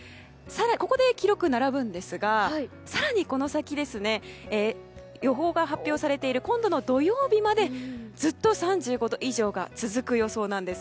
ここで記録に並ぶんですが更にこの先も予報が発表されている今度の土曜日までずっと３５度以上が続く予想なんです。